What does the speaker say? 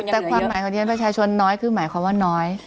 แต่ความหมายของดิฉันประชาชนน้อยคือหมายความว่าน้อย